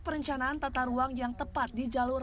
perencanaan tata ruang yang tepat di jalur